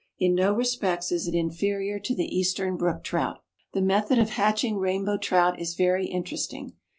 In no respects is it inferior to the Eastern Brook Trout. The method of hatching Rainbow Trout is very interesting.